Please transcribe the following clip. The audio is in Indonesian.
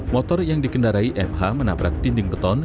motor yang dikendarai mh menabrak dinding beton